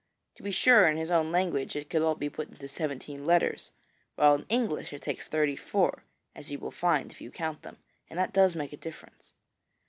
To be sure, in his own language it could all be put into seventeen letters, while in English it takes thirty four, as you will find if you count them, and that does make a difference.